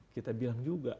kita bilang juga